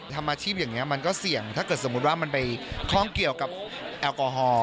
ทำอาชีพอย่างนี้มันก็เสี่ยงถ้าเกิดสมมุติว่ามันไปคล่องเกี่ยวกับแอลกอฮอล์